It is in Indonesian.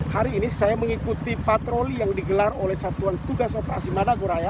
hari ini saya mengikuti patroli yang digelar oleh satuan tugas operasi madagoraya